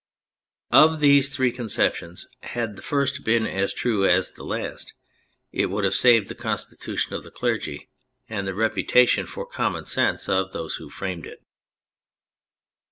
Of these three conceptions, had the first been as true as the last, it would have saved the Constitution of the Clergy and the reputa tion for common sense of those who framed it.